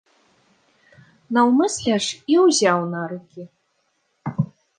Наўмысля ж і ўзяў на рукі.